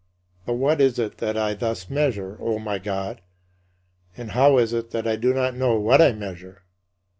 But what is it that I thus measure, O my God, and how is it that I do not know what I measure?